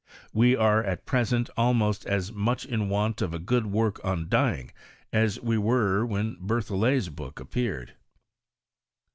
We are at present almost as much in want of a good work on dyeing as we were when Bertbollet's book appeared.